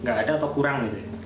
nggak ada atau kurang